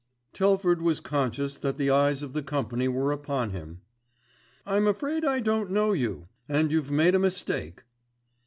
Telford was conscious that the eyes of the company were upon him. "I'm afraid I don't know you, and you've made a mistake."